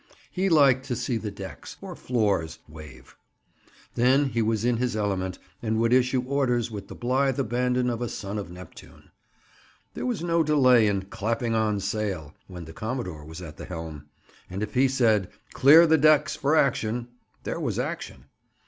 He liked to see the decks—or floors—wave. Then he was in his element and would issue orders with the blithe abandon of a son of Neptune. There was no delay in "clapping on sail" when the commodore was at the helm. And if he said: "Clear the decks for action," there was action.